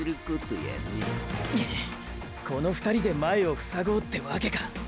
くっこの２人で前をふさごうってわけか。